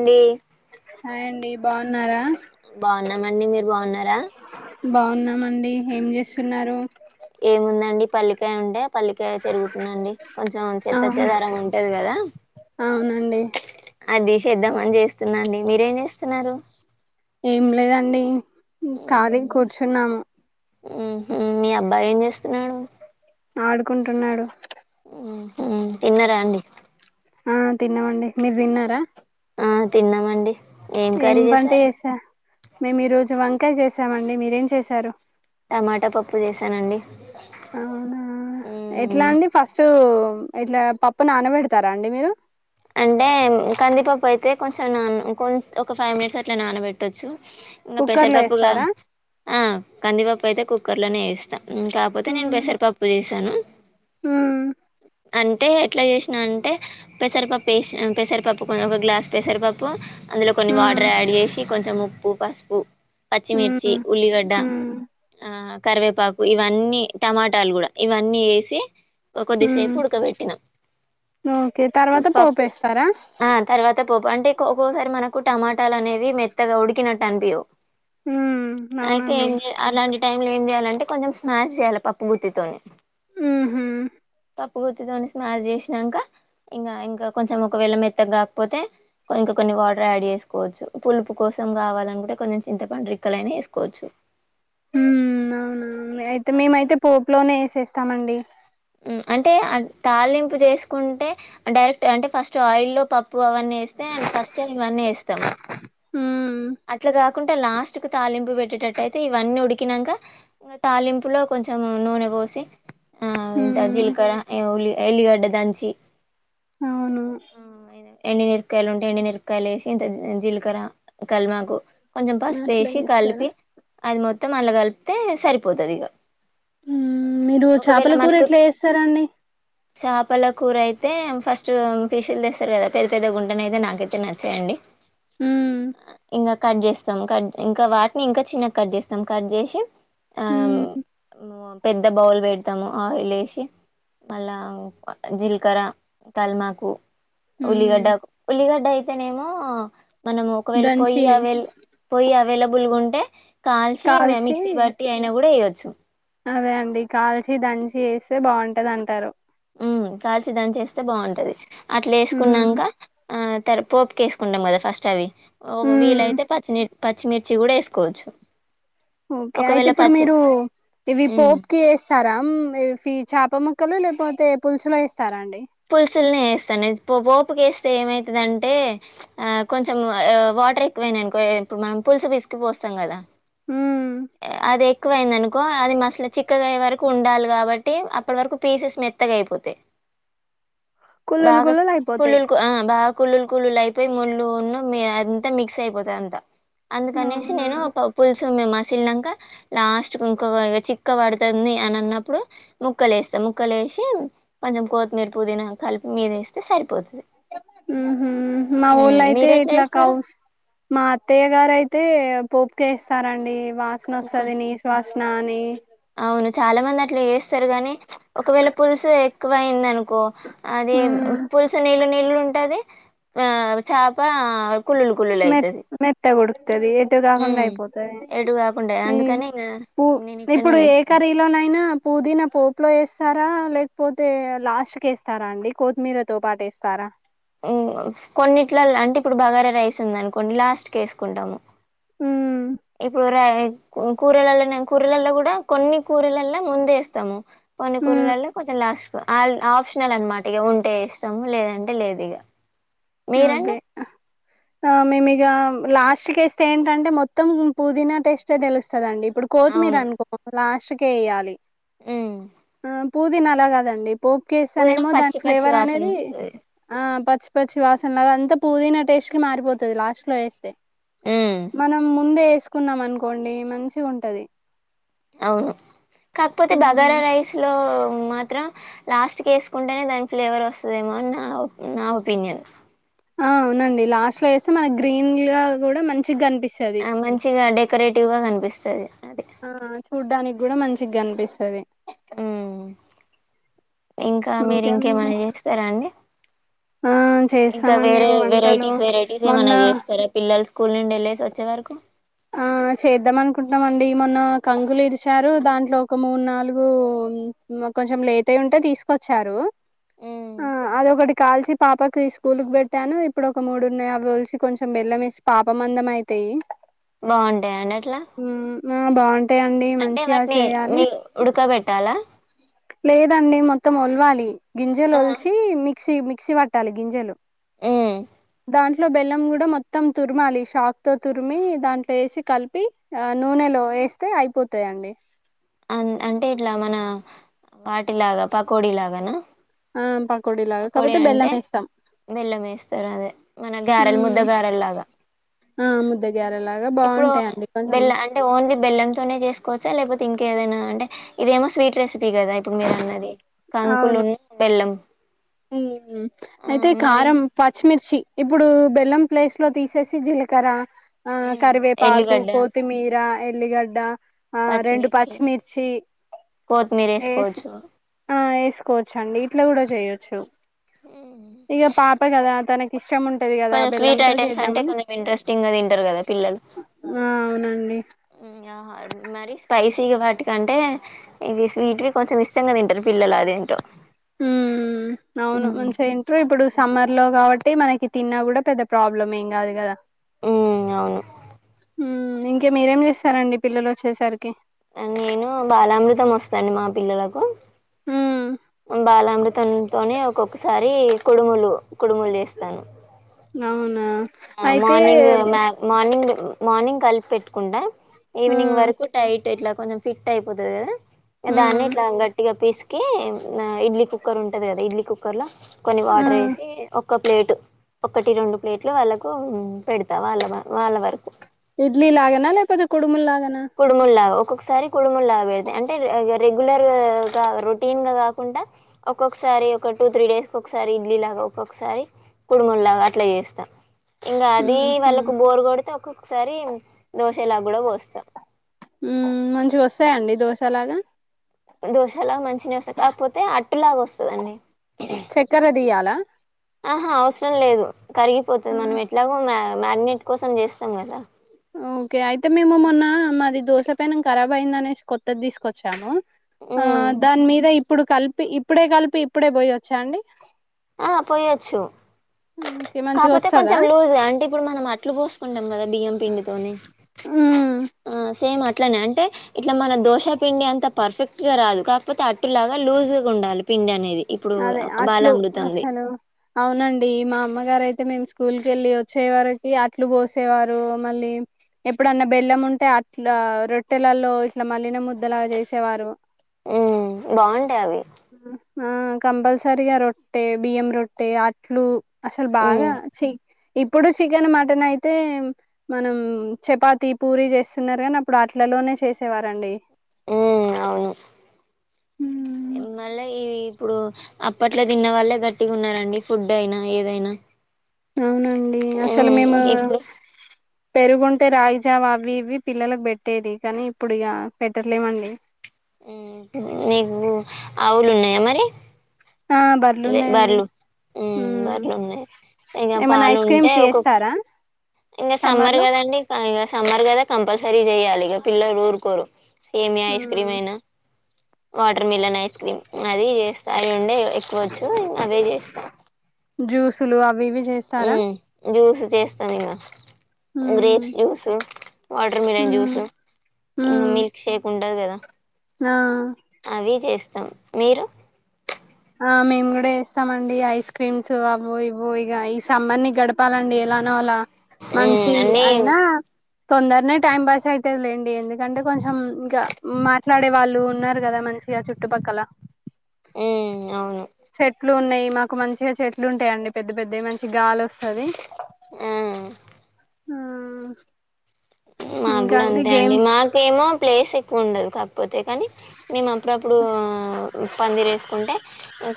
అండి హాయ్ అండీ బాగున్నారా బాగున్నామండి మీరు బాగున్నారా బాగున్నామండీ ఏముందండి పల్లికాయ ఉండే పల్లికాయ చరుగుతుందండీ కొంచెం చెత్తచెదారం ఉంటది కదా ఔ అండి అదే చేసేద్దామని చేస్తున్నాండి మీరేం చేస్తున్నారు ఏం లేదండి ఖాళీగా కూర్చున్నాము ఉహు మీ అబ్బాయి ఏం చేస్తున్నాడు ఆడుకుంటున్నాడు ఉమ్ హు తిన్నారాండి ఆ తిన్నామండి మీరు తిన్నారా ఆ తిన్నామండి ఏం కర్రీ చేశారు మేము ఈ రోజు వంకాయ చేసామండి మీరేం చేసారు టమాటా పప్పు చేశానండి ఎట్లా ఉమ్ అండి ఫస్ట్ ఇట్లా పప్పు నానబెడతారా అండి మీరు అంటే కందిపప్పు అయితే కొంచెం నాన ఒక ఫైవ్ మినిట్స్ అట్లా నానబెట్టొచ్చు ఇంకా కుక్కర్ లో పెసరపప్పుగా వేస్తారా ఆ కందిపప్పు అయితే కుక్కర్ లోనే వేస్తా ఉమ్ కాకపోతే నేను ఉమ్, పెసరు పప్పు వేశాను ఉమ్, అంటే ఎట్లా చేసినా అంటే పెసరపప్పు వేసి పెసరపప్పు ఒక గ్లాస్ పెసరపప్పు అందులో కొన్ని ఉమ్, వాటర్ యాడ్ చేసి కొంచెం ఉప్పు పసుపు ఉమ్, పచ్చిమిర్చి ఉల్లిగడ్డ ఉమ్, ఆ కరివేపాకు ఇవన్నీ టమాటాలు కూడా ఇవన్నీ వేసి కొద్దిసేపు ఉమ్ ఉడకబెట్టినాం ఓకే తర్వాత పోపేస్తారా ఉత్తపోపు అంటే ఒక్కోసారి మనకు టమాటాలు అనేవి మెత్తగా ఉడికినట్టు అనిపియ్యవు ఉమ్ అయితే అవునండి ఏం చేయ అలాంటి టైం లో ఏం చేయాలి అంటే కొంచెం స్మాష్ చేయాలి పప్పుగుత్తితోని ఉహు పప్పుగుత్తితోని స్మాష్ చేసినంక ఇంకా ఇంకా కొంచెం ఒకవేళ మెత్తగా కాకపోతే ఇంక కొన్ని వాటర్ యాడ్ చేసుకోవచ్చు పులుపు కోసం కావాలంటే కొంచెం చింతపండు రెక్కలు అయినా వేసుకోవచ్చు ఉమ్ అవునవును ఇక అయితే కానీ మేమైతే పోపులోనే వేసేస్తామండి అంటే తాళింపు చేసుకుంటే డైరెక్ట్ అంటే ఫస్ట్ ఆయిల్లో పప్పు అవన్నీ వేస్తే ఫస్ట్ టైం ఇవన్నీ ఏస్తాము హుమ్ అట్లా కాకుంటే లాస్ట్ కు తాలింపు పెట్టేటట్టయితే ఇవన్నీ ఉడికి కినంక తాలింపులో కొంచెం నూనె పోసి ఆ ఇంత ఉమ్ జీలకర్ర ఉల్లి ఎలిగడ్డ దంచి అవును ఎండి మిరపకాయలు ఉంటే ఎండిమిరపకాయలు వేసి ఇంత జీలకర్ర కల్మాకు కొంచెం అట్లా పసుపేసి చేస్తారా కలిపి అది మొ మొత్తం అల్ల కలిపితే సరిపోతది ఇగ ఉమ్ మీరు చేపల కూర ఎట్లా చేస్తారండి చేపల కూర అయితే ఫస్ట్ ఫిష్ లు తెస్తారు కదా పెద్ద పెద్ద గుంటనయి నాకైతే నచ్చయండి ఉమ్ ఇంకా కట్ చేస్తాం కట్ ఇంకా వాటిని ఇంకా చిన్నగా కట్ చేస్తాం కట్ చేసి ఆమ్ ఉమ్ మ్ పెద్ద బౌల్ పెడతాము ఆయిల్ ఏసి మళ్ళా జీలకర్ర తల్మాకు ఉమ్ ఉల్లిగడ్డ ఉల్లిగడ్డ అయితేనేమో మనం ఒకవేళ పొయ్యి దంచి అవైల్ పొయ్యి అవైలబుల్గా ఉంటే కాల్చి మిక్సీ పట్టి అయినా కూడా వెయ్యొచ్చు అదే అండి కాల్చి దంచి వేస్తే బాగుంటది అంటారు ఉమ్ కాల్చి దంచి వేస్తే బాగుంటది అట్లా ఉమ్ వేసుకున్నంక ఆ తర పోపుక వేసుకుంటాం కదా ఫస్ట్ అవి ఒక ఉమ్ వీలయితే పచ్చిని పచ్చిమిర్చి కూడా వేసుకోవచ్చు ఓకే అయితే ఒకవేళ ఇప్పుడు పచ్చి మీరు ఇవి ఉమ్ పోపు క వేస్తారా ఇవి చేప ముక్కలు లేకపోతే పులుసుులు వేస్తారా అండి పులుసుల్ని వేస్తాను పోపుక వేస్తే ఏమైతుందింటే ఆ కొంచెం వాటర్ ఎక్కువేనానుకో ఇప్పుడు మనం పులుసు పసుకి పోస్తాం కదా ఉమ్ అదే ఎక్కువైంది అనుకో అది మసలు చిక్కగా అయే వరకు ఉండాలి కాబట్టి అప్పటి వరకు పీసెస్ మెత్తగా అయిపోతాయి కుల్లులు బాగా కుల్లులు పుల్ అయిపోతాయి లల్ ఆ బాగా కుళ్ళులు కుళ్లులు అయిపోయి ముళ్ళు ఉన్న అంతా మిక్స్ అయిపోతది అంత అందుకనేసి అవునా నేను పులుసుమ్ మమ సిల్నాక లాస్ట్ ఇంకొ ఇ చిక్క పడుతుంది అని అన్నప్పుడు ముక్కలు వేస్తా ముక్కలు వ కొంచెం కొత్తిమీర పుదీనా కలిపి మీద వేస్తే సరిపోతుంది మా మ్మ్ ఊర్లో ఐతే మీరెట్లా ఎట్లా చేస్తారు కావుస మా అత్తయ్య గారయితే పోపుకేస్తారంండి వాసన ఇంకా వస్తుంది నీస్ వాసన అని అవును చాలా మంది అట్లా చేస్తారు గాని ఒకవేళ పులుసు ఎక్కువ అయింది అనుకో అది ఉమ్ పులుసు నీళ్ళు నీళ్ళు ఉంటది ఆ చేప కుల్లులు కుల్లులు మె అయితది మెత్త కొడుకుతుది ఎటు కాకుండా మ్మ్ అయిపోతుది ఎటు కాకుండా ఈ అందుకని ఇంగ పూ నేను ఇట్లనే ఇప్పుడు ఏ చేస్తా కరీలోనైనా పుదీనా పోపులో వేస్త ఇస్తారా లేకపోతే లాస్ట్ క వేస్తారా అండి కొత్తిమీర తో పాటు వేస్తారా కొన్నిట్ల అంటే ఇప్పుడు బగారా రైస్ ఉంద అనుకోండి లాస్ట్ క వేసుకుంటాము హమ్ ఇప్పుడు కూరలలో కూరలలో కూడా కొన్ని కూరలలో ముంద వేస్తాము కొన్ని ఉమ్ కూరలలో కొంచెం లాస్ట్ఫ ఆప్షనల్ అన్నమాట ఇక ఉంటే ఇస్తాము లేదంటే లేదు ఇక అదే ఆ మేము ఇక లాస్ట్ టేస్ట్ ఏంటంటే మొత్తం పుదీనా టెస్టే తెలుస్తుందండి ఇప్పుడు కొత్తిమీర అవును అనుకో లాస్ట్ కే వయ్యాలి ఉమ్ పూదీన్ అలాగదండి పోపు కేస్తానే పుదీనా ఏమో దాని పచ్చి పచ్చి ఫ్లేవర్ వాసన అనేది వస్తది ఆ వాసన లాగా అంతా పుదీనా టేస్ట్ కి మారిపోతుంది లాస్ట్ లో వేస్తే ఉమ్ మనం ముందే వే వేసుకున్నాం అనుకోండి మంచిగా ఉంటది అవు కాక్పోతే బగారా మ్మ్. రైస్లో మాత్రం లాస్ట్ కేస్కుంటేనే దాని ఫ్లేవర్ వస్తదేమో అని నా నా ఒపీనియన్ ఆ అవునండి లాస్ట్లో ఏస్తే మన గ్రీన్గా కూడా మంచి మంచిగ్ కన్పిస్తది. ఆ, మంచిగా డెకరేటివ్ గా కనిపిస్తది అది ఆ చూడ్డాని గుడా మంచిగన్పిస్తది. మ్ ఇంకా ఇంకేముంది మీరింకేమైన చేస్తారా అండి ఆ ఇంకా చేస్తామండి వేరే వంటలు వెరైటీస్ వెరైటీస్ ఏమైనా మొన్న చేస్తారా పిల్లల్ స్కూల్ నుండి ఎల్లేసి వచ్చే వరకు ఆ ఆ చేద్దాం అనుకుంటున్నమండి. మొన్న కంకులు ఇరిచారు దాంట్లో ఒక మూడ్ నాలుగు కొంచం లేట్ అయి ఉంటే తీస్కొచ్చారు. ఉమ్ ఆ అదొక కాల్చి పాపకి ఈ స్కూల్కు పెట్టాను. ఇప్పుడు ఒక మూడున్నయి. అవి ఒలిచి కొంచెం బెల్లం ఏసి పాప మందం అయితయి డి బాగుంటయి అండి అట్లా ఆ బాగుంటయండి అంటే మంచిగా వాటిని చేయాలి. మీ ఉడకబెట్టాలా లేదండి మొ మొత్తం ఒల్వాలి గింజలు ఆ ఒలిచి మిక్సీ మిక్సీ పట్టాలి గింజలు మ్ దాంట్లో బెల్లం గుడా మొత్తం తుర్మాలి షాక్తో తుర్మి దాం ఉప్పేసి కల్పి ఆ నూనెలో వేస్తే అయిపోత యండి అ అంటే ఇట్ల మన వాటిలాగా పకోడీ లాగాన ఆ పకోడి లాగా కాక్పోతే బెల్లం ఎస్తాం. బెల్లం ఏస్తారు అదే మన గారెలు ముద్ద ఉమ్ గారెల్లాగా ఆ ముద్ద ఇప్పుడు బెల్లం అంటే ఓన్లీ బెల్లంతోనే చేస్కోవచ్చా లేకపో ఇంకేదైనా అంటే ఇదేమో స్వీట్ రెసిపీ కదా ఇప్పుడు మీరన్నది కంకులు ఉన్న బెల్లం. హ్మ్ హ్ ఆ అయితే మరి కారం, పచ్చిమిర్చి. ఇప్పుడూ బెల్లం ప్లేస్లో తీసేసి జీలకర్ర ఆ మ్మ్ కరివేపాకు, ఎల్లిగడ్డ కోత్తిమీర, ఎల్లిగడ్డ ఆ రెండు పచ్చిమిర్చి పచ్చిమిర్చి కొత్తిమీర ఏస్ వేసుకోవచ్చు ఆ ఏస్ స్కొవచ్చండి ఇట్ల గుడా చేయచ్చు. ఉమ్. ఇగ పాప కదా తన కొంచెం స్వీట్ ఐటమ్స్ అంటే కొంచెం ఇంట్రెస్టింగా తింటరు కదా పిల్లలు ఆ అవునండి మ్ యార్ మరి స్పైసీగా వాటికంటే ఇది స్వీట్ కొంచెం ఇష్టంగా తింటరు పిల్లలు అదేంటో హుమ్మ్ అవును మంచిగ ఇంట్లో ఇప్పుడు సమ్మర్లో కాబట్టి మనకి తిన్నా గుడా పెద్ద ప్రాబ్లం ఏం కాదు కదా మ్ అవును. హ్మ్ ఇంకే మీరేం చేస్తారండి పిల్లల్ వచ్చేసరికి ఆ నేను బాలామృతం వస్తదండి మా పిల్లలకు హ్మ్ బాలామృతంతోనే ఒక్కొక్కసారి కుడుములు కుడుములు చేస్తాను. అవునా ఆ అయితే మార్నింగ్ మ్యా మార్నింగ్ మార్నింగ్ కల్పి పెట్టుకుంటా ఈవినింగ్ హ్మ్ వరకు టైట్ ఇట్ల కొంచెం ఫిట్ అయిపోతది కదా దాన్నే హ్మ్ ఇట్లా గట్టిగా పిస్కి ఇడ్లీ కుక్కర్ ఉంటది కదా ఇడ్లీ కుక్కర్లో కొన్ని ఆ వాటర్ ఏసి ఒక్క ప్లేట్ ఒకటి రెండు ప్లేట్లు వాళ్ళక్ కు పెడ్త వాళ్ళ వాళ్ళ వరకు ఇడ్లీలాగేనా లేకపోతే కుడుముల్గా కుడుముల్లాగా ఒక్కొక్కసారి కుడుముల్లా పెడ్త అంటే రెగ్యులర్గా రొటీన్గా కాకుండా ఒక్కొక్కసా సారి ఒక టూ త్రీ డేస్ ఒకసారి ఇడ్లీలాగా ఒక్కొక్కసారి కుడుముల్లాగా అట్ల చేస్తా. ఇంగ అది హ్మ్ హ్మ్ వాళ్ళకు బోర్ కొడ్తే ఒక్కొక్కసారి దోశలా కూడా పోస్తా హ్మ్ మంచిగొస్తాయండి దోశలాగా దోశాలా మంచినే వస్తయి కాకపోతే అట్టు లాగ వస్తదండి చక్కర తీయాలా ఆహ అవసరం లేదు కరిగిపోతది ఆ! మనం ఎట్లాగో మ్యార్నేట్ కోసం చేస్తాం కదా ఓకే అయితే మేము మొన్న మాది దోశ పెనం ఖరాబ్ అయిందనేసి కొత్తది తీసుకొచ్చాము ఆ ఉమ్ దాని మీద ఇప్పుడు కలిపి ఇప్పుడే కలిపి ఇప్పుడే పోయొచ్చా అండి ఆ పోయొచ్చు హ్మ్ కాపోతే కొంచెం లూజ్ అంటే ఇప్పుడు మనం అట్లు పోసుకుంటాం కదా బియ్యం పిండితోని హ్మ్ ఆ సేమ్ అట్లనే అంటే ఇట్లా మన దోశ పిండి అంత పర్ఫెక్ట్ గా రాదు కాకపోతే అట్టు లాగా లూజ్ గా ఉండాలి పిండి అనేది ఇప్పుడు బాలామృత నచ్చలేవు అవునండి మా అమ్మగారైతే మేము స్కూల్కి వెళ్ళి వచ్చే వరకి అట్లు పోసేవారు మళ్ళీ ఎప్పుడన్నా బెల్లం ఉంటే అట్లా రొట్టెలలో ఇట్లా మళ్లిన ముద్దలా చేసేవారు హ్మ్ బాగుంటాయి అవి ఆ కంపల్సరిగా రొట్టె బియ్యం రొట్టె అట్లు అసలు బాగా ఉమ్ చె ఇప్పుడు చికెన్ మటన్ అయితే మనం చపాతి పూరి చేస్తున్నారు కానీ అప్పుడు అట్లలో లోనే చేసేవారండి హ్మ్ అవును ఇప్పుడు అప్పట్లో తిన్న వాళ్ళే గట్టిగా ఉన్నారండి ఫుడ్ అయినా ఏదైనా అవునండి అసలు ఉమ్ మేము ఇప్పుడు పెరుగుంటే రాగిజావ అవి ఇవి పిల్లలకు పెట్టేది కానీ ఇప్పుడు ఇక పెట్టట్లేమండి మీకు ఆవులు ఉన్నాయా మరి ఆ అదే బర్లున్నాయండి బర్లు ఉమ్ బర్లు ఉన్నాయి ఇంగ ఏమన్నా పాలు ఐస్ ఉంటే క్రీమ్స్ ఒక చేస్తారా ఇంకా సమ్మర్ కదండి ఇక సమ్మర్ కదా కంపల్సరీ చెయ్యాలి ఇక పిల్లలు ఊరుకోరు సేమియా ఐస్ క్రీమ్ ఉమ్ అయినా వాటర్ మిలన్ ఐస్ క్రీమ్ అది చేస్తా అయి ఉండే ఎక్కువచ్చు ఇంకా అవే చేస్తా జూస్లు అవి ఇవి చేస్తారా హ్మ్ జ్యూస్ చేస్తాం ఇగ ఉమ్ గ్రేప్స్ జ్యూస్ వాటర్ మిలన్ ఉమ్ జ్యూస్ ఇంకా ఉమ్ మిల్క్ షేక్ ఉంటది కదా ఆ అవీ చేస్తాం మీరు ఆ మేము కూడా చేస్తామండి ఐస్ క్రీమ్స్ అవో ఇవో ఇక ఈ సమ్మర్ ని గడపాలండి ఎలానో అలా మ్మ్ మంచి అన్నీ అయినా తొందరనే టైం పాస్ అయితది లేండి ఎందుకంటే కొంచెం ఇంకా మాట్లాడే వాళ్ళు ఉన్నారు కదా మ చుట్టుపక్కలా మ్మ్ అవును చెట్లు ఉన్నయి మాకు మంచిగా చెట్లు ఉంటాయిండి పెద్ద పెద్దవి మంచి గాలి వస్ అది ఆ ఆ మాకు ఇంకా కూడా అంతే అండి గేమ్స్ మాకేమో ప్లేస్ ఎక్కువ ఉండదు కాక పోతే కానీ మేము అప్పుడప్పుడు పందిరి వేసుకుంటే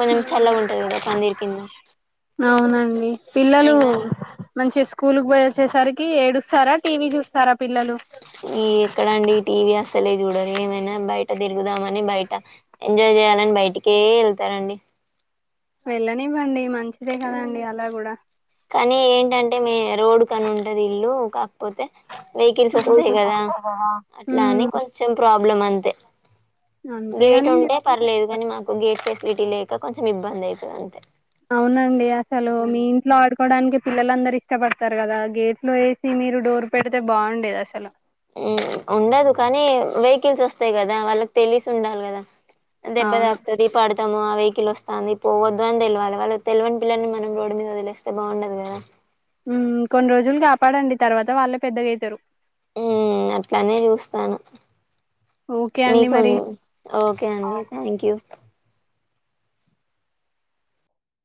కొంచెం చల్లగా ఉంటది కదా పందిరి కింద అవునండి పిల్లలు ఇంకా మంచిగ స్ స్కూల్కి పోయి వచ్చేసరికి ఏడుస్తారా టీవీ చూస్తారా పిల్లలు ఈ ఎక్కడండి ఈ టీవీ అస్ అసలే చూడరు ఏమైనా బయట తిరుగుదామని బయట ఎంజాయ్ చేయాలని బయటికే వెళ్తారండి వెళ్ళనివ్వండి మంచిదే కదాండి అలా కూడా కానీ ఏంటంటే మి రోడ్ కని ఉంటది ఇల్లు క పోతే వెహికల్స్ వస్తాయి కదా అట్లా అని ఉమ్ కొంచెం ప్రాబ్ ప్బ్లం అంతే గేట్ అంతేగాని ఉంటే పర్లేదు కాని మాకు గేట్ ఫెసిలిటీ లేక కొంచెం ఇబ్బంది అవుతుంది అంతే అవునండి అసలు మీ ఇంట్లో ఆడు చెకోవడానికి పిల్లలందరు ఇష్టపడతారు కదా గేట్ లో వేసి మీరు డోర్ పెడితే బాగుండేది అసలు ఉండదు కానీ వెహికల్స్ వస్తాయి కదా వాళ్ళకి తెలిసి ఉండాలి కదా అవును దెబ్బదిాకుతుదింది పాడుతాము ఆ వెహికకిల్ వస్తంది వస్తుంది పోవద్దు అని తెలివాలి వాళ్ళ తెలివని పిల్లల్ని మనం రోడ్డు మీద వదిలేస్తే బాగుండదు కదా కొన్ని రోజులు కాపాడండి తర్వాత వాళ్ళే పెద్దగావుతారు ఉ అట్లానే చూస్తాను ఓకే అండి మీకు మరి ఓకే అండి థ్యాంక్ యూ